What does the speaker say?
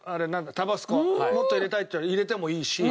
タバスコもっと入れたいって入れてもいいし。